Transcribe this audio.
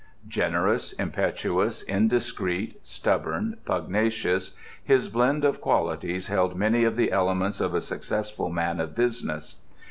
Generous, impetuous, indiscreet, stubborn, pugnacious, his blend of qualities held many of the elements of a successful man of business.